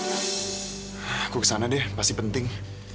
aku kesana deh pasti penting